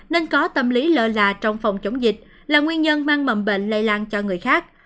nên có tâm lý lơ là trong phòng chống dịch là nguyên nhân mang mầm bệnh lây lan cho người khác